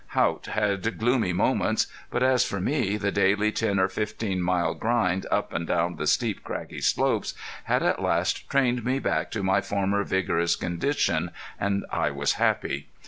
Haught had gloomy moments. But as for me the daily ten or fifteen mile grind up and down the steep craggy slopes had at last trained me back to my former vigorous condition, and I was happy.